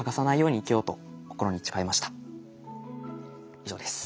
以上です。